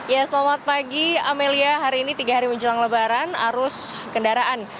ya selamat pagi amelia hari ini tiga hari menjelang lebaran arus kendaraan